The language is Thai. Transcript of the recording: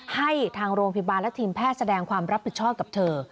ให้ทางโรงพยาบาลและทีมแพทย์แสดงความรับผิดชอบกับเธอ